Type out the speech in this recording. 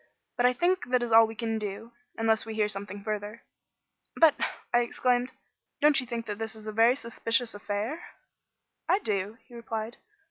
But I think that is all we can do, unless we hear something further." "But," I exclaimed, "don't you think that it is a very suspicious affair?" "I do," he replied.